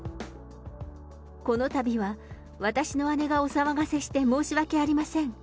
このたびは、私の姉がお騒がせして、申し訳ありません。